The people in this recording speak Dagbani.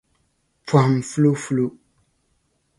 pɔhim fulofulo.